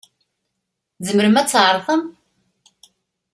Tzemrem ad tɛerḍem?